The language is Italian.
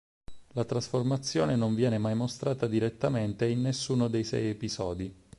La trasformazione non viene mai mostrata direttamente in nessuno dei sei episodi.